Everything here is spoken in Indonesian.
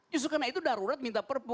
justru karena itu darurat minta perpu